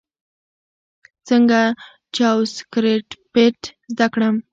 څنګه جاواسکريپټ زده کړم؟